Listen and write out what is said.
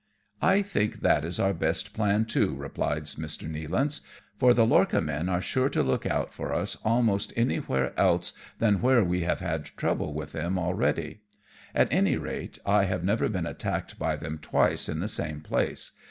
"I think that is our best plan too^" replies Mr. Nealance, " for the lorchamen are sure to look out for us almost anywhere else than where we have had trouble with them already ; at any rate, I have never been attacked by them twice in the same place.